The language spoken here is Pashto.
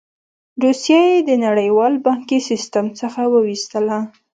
روسیه یې د نړیوال بانکي سیستم څخه وویستله.